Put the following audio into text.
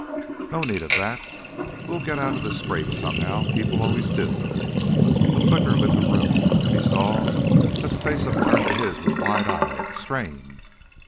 "No need of that. We'll get out of this scrape somehow people always do." A flicker lit the room, and he saw that the face upturned to his was wide eyed, strained.